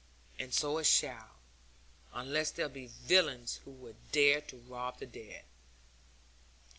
And so it shall, unless there be villains who would dare to rob the dead.